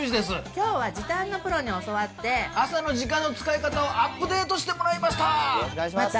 きょうは時短のプロに教わっ朝の時間の使い方をアップデートしてもらいました。